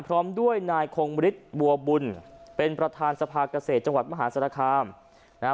พร้อมด้วยนายคงบริษฐ์วัวบุญเป็นประทานสภาคเกษตรจังหวัดมหาศาลาคา